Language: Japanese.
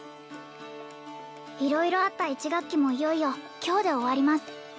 色々あった１学期もいよいよ今日で終わります